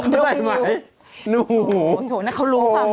เข้าใส่ไหม